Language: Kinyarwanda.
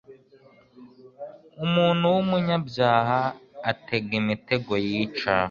umuntu w'umunyabyaha atega imitego yica